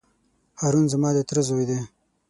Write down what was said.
هارون زما د تره زوی دی.